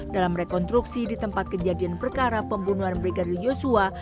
dalam rekonstruksi di tempat kejadian perkara pembunuhan brigadir yosua